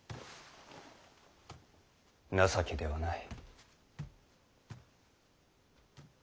情けではない。